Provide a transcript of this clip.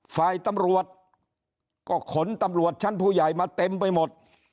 ฝ่ายตำรวจก็ขนตำรวจชั้นผู้ใหญ่มาเต็มไปหมด